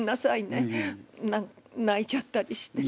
泣いちゃったりして。